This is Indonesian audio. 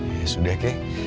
ya sudah kay